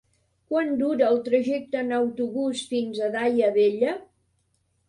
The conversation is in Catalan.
Quant dura el trajecte en autobús fins a Daia Vella?